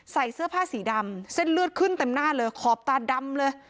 ใส่เสื้อผ้าสีดำเส้นเลือดขึ้นเต็มหน้าเลยขอบตาดำเลย